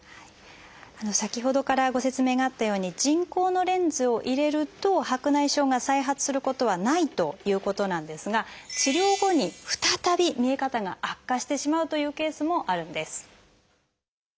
先ほどからご説明があったように人工のレンズを入れると白内障が再発することはないということなんですが治療後に再び見え方が悪化してしまうというケースもあるんです。